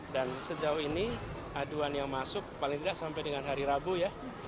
dan sejauh ini aduan yang masuk paling tidak sampai dengan hari rabu ya